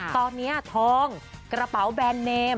ตอนนี้ทองกระเป๋าแบรนด์เนม